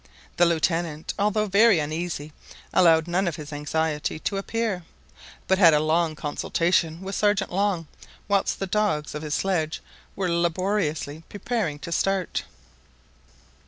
The Lieutenant, although very uneasy, allowed none of his anxiety to appear, but had a long consultation with Sergeant Long whilst the dogs of his sledge were laboriously preparing to start.